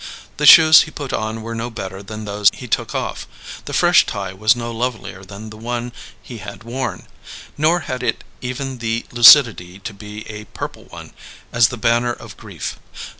The shoes he put on were no better than those he took off; the fresh tie was no lovelier than the one he had worn; nor had it even the lucidity to be a purple one, as the banner of grief.